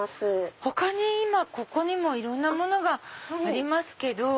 他に今ここにもいろんなものがありますけど。